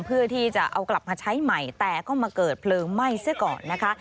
เพื่อที่จะเอากลับมาใช้ใหม่แต่ก็มาเกิดเพลิงไหม้เสียก่อนนะคะ